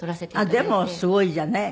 でもすごいじゃない。